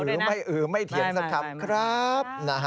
ไม่หรือไม่อืมไม่เถียงสักครั้งครับ